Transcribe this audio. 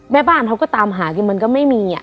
แม่บ้านเขาก็ตามหากินมันก็ไม่มี